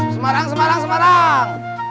semarang semarang semarang